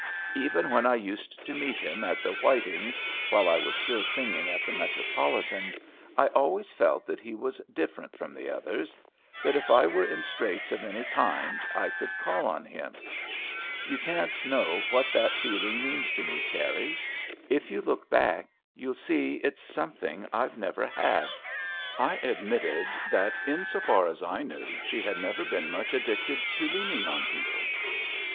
Even when I used to meet him at the Whitings, while I was still singing at the Metropolitan, I always felt that he was different from the others; that if I were in straits of any kind, I could call on him. You can't know what that feeling means to me, Carrie. If you look back, you'll see it's something I've never had." I admitted that, in so far as I knew, she had never been much addicted to leaning on people.